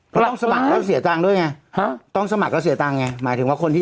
เพราะต้องสมัครแล้วเสียตังค์ด้วยไง